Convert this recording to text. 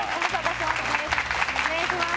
お願いします。